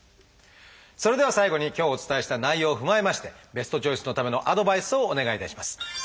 それでは最後に今日お伝えした内容を踏まえましてベストチョイスのためのアドバイスをお願いいたします。